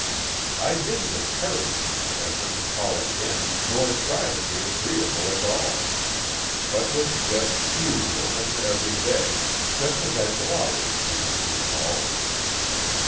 I didn't encourage Mr. Everet to call again, nor try to be agreeable at all, but was just usual and everyday, just as I shall always be when he calls.